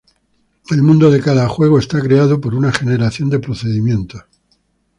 El mundo de cada juego es creado por una generación de procedimientos.